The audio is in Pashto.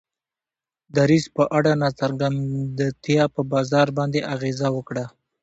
دریځ په اړه ناڅرګندتیا په بازار باندې اغیزه وکړه.